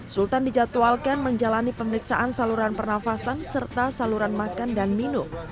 sultan dijadwalkan menjalani pemeriksaan saluran pernafasan serta saluran makan dan minum